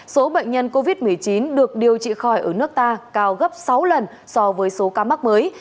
số bệnh nhân covid một mươi chín được điều trị khỏi ở nước ta cao gấp sáu lần so với số ca mắc mới